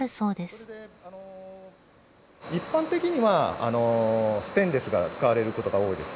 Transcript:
一般的にはステンレスが使われることが多いです。